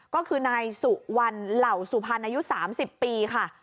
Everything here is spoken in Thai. ก็คือนายสุวรรณเหล่าสุพรรณอายุ๓๐ปีค่ะ